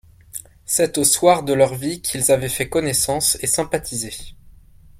C’est au soir de leur vie qu’ils avaient fait connaissance et sympathisé.